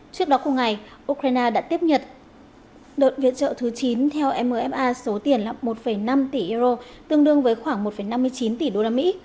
trước đó cùng ngày ukraine đã tiếp nhật đợt viện trợ thứ chín theo mfa số tiền là một năm tỷ euro tương đương với khoảng một năm mươi chín tỷ đô la mỹ